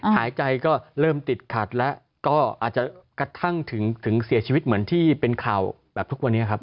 หายใจก็เริ่มติดขัดแล้วก็อาจจะกระทั่งถึงเสียชีวิตเหมือนที่เป็นข่าวแบบทุกวันนี้ครับ